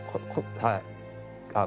はい。